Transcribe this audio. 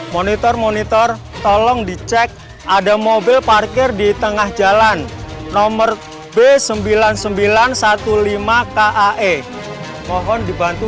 monitor monitor tolong dicek ada mobil parkir di tengah jalan nomor b sembilan ribu sembilan ratus lima belas kae mohon dibantu